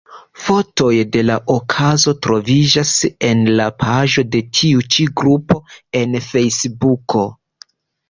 Fotoj de la okazo troviĝas en la paĝo de tiu grupo en Fejsbuko.